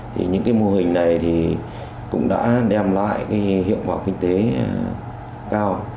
thì những cái mô hình này thì cũng đã đem lại cái hiệu quả kinh tế cao